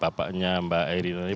bapaknya mbak eri nani